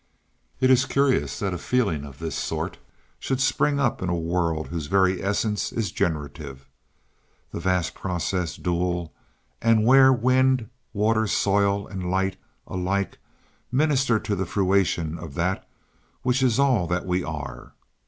It is curious that a feeling of this sort should spring up in a world whose very essence is generative, the vast process dual, and where wind, water, soil, and light alike minister to the fruition of that which is all that we are.